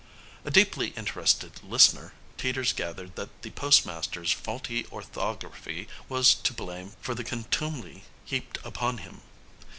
A deeply interested listener, Teeters gathered that the postmaster's faulty orthography was to blame for the contumely heaped upon him.